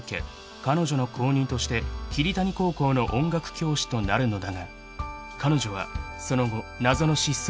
彼女の後任として桐谷高校の音楽教師となるのだが彼女はその後謎の失踪を遂げた］